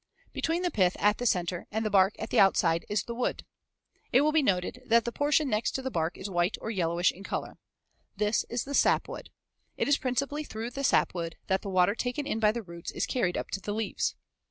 Between the pith at the center and the bark at the outside is the wood. It will be noted that the portion next to the bark is white or yellowish in color. This is the sapwood. It is principally through the sapwood that the water taken in by the roots is carried up to the leaves.